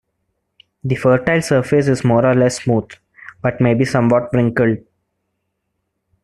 The fertile surface is more or less smooth but may be somewhat wrinkled.